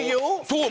そう！